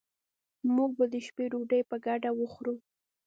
موږ به د شپې ډوډي په ګډه وخورو